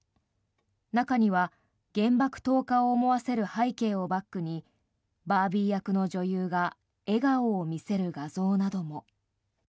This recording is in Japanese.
中には原爆投下を思わせる背景をバックにバービー役の女優が笑顔を見せる画像なども。